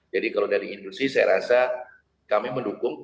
jadi kalau dari industri saya rasa kami mendukung